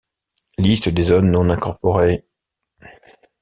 Liste des zones non incorporées.